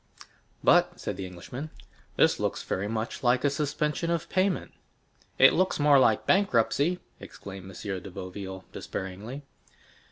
"But," said the Englishman, "this looks very much like a suspension of payment." "It looks more like bankruptcy!" exclaimed M. de Boville despairingly.